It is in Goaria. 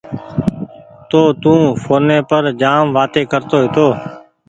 تونٚ تو ڦوني پر جآم وآتي ڪرتو هيتو۔